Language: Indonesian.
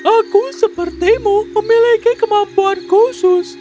aku sepertimu memiliki kemampuan khusus